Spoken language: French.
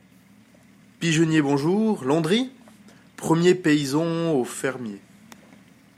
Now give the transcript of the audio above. Pigeonnier Bonjour, Landry ! premier paysan au fermier.